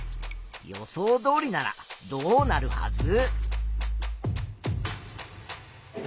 予想どおりならどうなるはず？